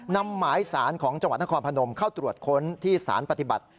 นำหมายสารของจังหวัดนครพนมเข้าตรวจค้นที่สารปฏิบัติ